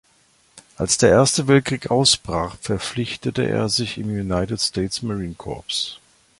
Als der Erste Weltkrieg ausbrach, verpflichtete er sich im United States Marine Corps.